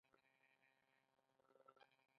دوی له نواب وزیر او انګلیسیانو له اتحاد سره ملګري شي.